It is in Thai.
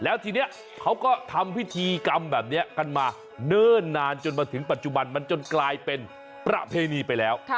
แล้วทีนี้เขาก็ทำพิธีกรรมแบบนี้กันมาเนิ่นนานจนมาถึงปัจจุบันมันจนกลายเป็นประเพณีไปแล้ว